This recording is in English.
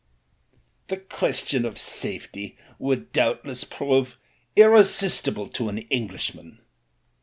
"The question of safety would doubtless prove irre sistible to an Englishman."